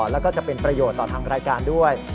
แล้วก็จะเป็นประโยชน์ต่อทางรายการด้วย